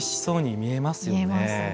見えますね。